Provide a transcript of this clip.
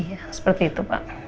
iya seperti itu pak